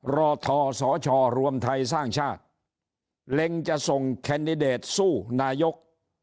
รอทอสชรวมไทยสร้างชาติเล็งจะส่งแคนดิเดตสู้นายก